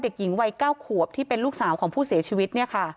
เด็กหญิงวัยเก้าขวบที่เป็นลูกสาวของผู้เสียชีวิต